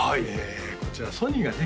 こちらソニーがね